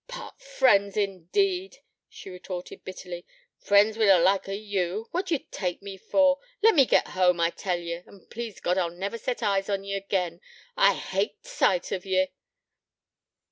'Part friends, indeed,' she retorted bitterly. 'Friends wi' the likes o' you. What d'ye tak me for? Let me git home, I tell ye. An' please God I'll never set eyes on ye again. I hate t' sight o' ye.'